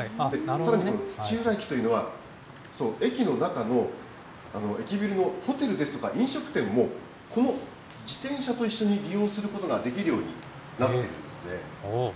さらにこの土浦駅というのは、駅の中の駅ビルのホテルですとか、飲食店も、この自転車と一緒に利用することができるようになっているんですね。